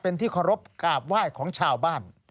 เป็นที่เคารพกราบไหว้ของชาวบ้าน